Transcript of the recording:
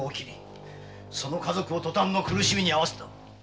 その家族を塗炭の苦しみに遭わせた。